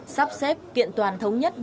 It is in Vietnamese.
sắp xếp kiện toàn thống nhất